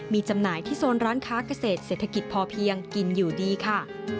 มีจำหน่ายที่โซนร้านค้าเกษตรเศรษฐกิจพอเพียงกินอยู่ดีค่ะ